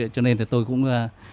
cho nên tôi cũng